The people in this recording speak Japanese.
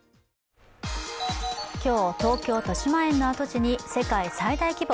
今日東京としまえんの跡地に世界最大規模